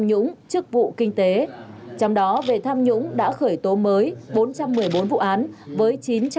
nhũng trước vụ kinh tế trong đó về tham nhũng đã khởi tố mới bốn trăm một mươi bốn vụ án với